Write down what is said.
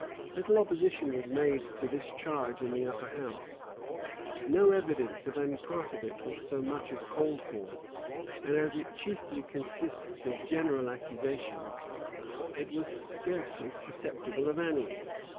Little opposition was made to this charge in the upper house: no evidence of any part of it was so much as called for; and as it chiefly consists of general accusations, it was scarcely susceptible of any.